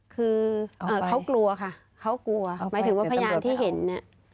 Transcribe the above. คือเขากลัวค่ะเขากลัวหมายถึงว่าพยานที่เห็นเนี่ย